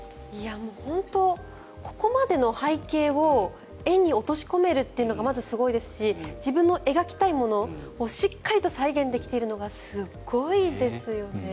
本当、ここまでの背景を絵に落とし込めるというのがまず、すごいですし自分の描きたいものをしっかりと再現できているのがすごいですよね。